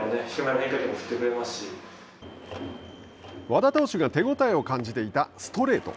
和田投手が手応えを感じていたストレート。